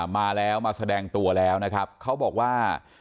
มาแล้วมาแสดงตัวแล้วนะครับเขาบอกว่า